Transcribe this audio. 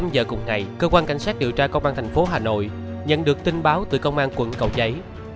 một mươi giờ cùng ngày cơ quan cảnh sát điều tra công an thành phố hà nội nhận được tin báo từ công an quận cầu giấy